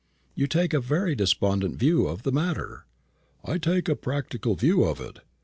"You take a very despondent view of the matter." "I take a practical view of it.